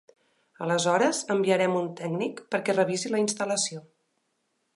Aleshores enviarem un tècnic perquè revisi la instal·lació.